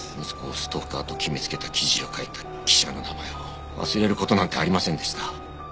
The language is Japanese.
息子をストーカーと決めつけた記事を書いた記者の名前を忘れる事なんてありませんでした。